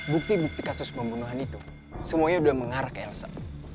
bukti bukti kasus pembunuhan itu semuanya sudah mengarah ke elsam